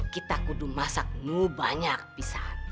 kita kudung masak mu banyak pisan